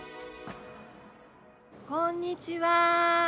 ・こんにちは。